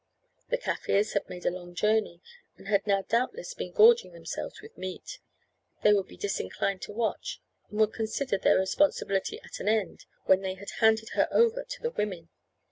The Kaffirs had made a long journey, and had now doubtless been gorging themselves with meat. They would be disinclined to watch, and would consider their responsibility at an end when they had handed her over to the women.